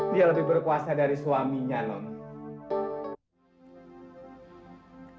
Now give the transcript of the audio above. dia lebih berkuasa dari suaminya loh